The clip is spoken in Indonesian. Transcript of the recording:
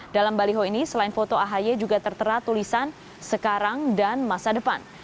dalam baliho ini selain foto ahy juga tertera tulisan sekarang dan masa depan